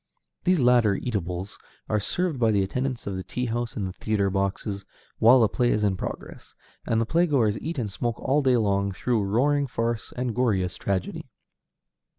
These latter eatables are served by the attendants of the tea house in the theatre boxes while the play is in progress, and the playgoers eat and smoke all day long through roaring farce or goriest tragedy.